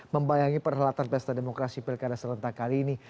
membayangi perhelatan pesta demokrasi pilkada serentak kali ini